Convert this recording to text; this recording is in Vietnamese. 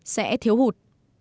sẽ thiếu hụt